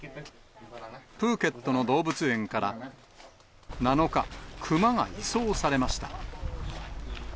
プーケットの動物園から、７日、熊が移送されました。